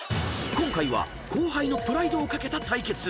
［今回は後輩のプライドを懸けた対決］